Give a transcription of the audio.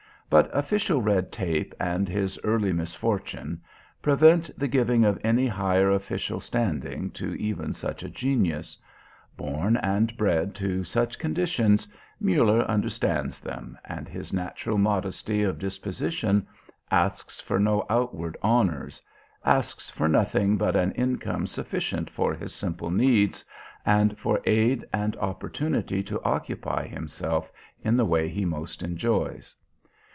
But official red tape, and his early misfortune... prevent the giving of any higher official standing to even such a genius. Born and bred to such conditions, Muller understands them, and his natural modesty of disposition asks for no outward honours, asks for nothing but an income sufficient for his simple needs, and for aid and opportunity to occupy himself in the way he most enjoys.